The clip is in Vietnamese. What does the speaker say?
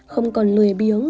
không còn lười biếng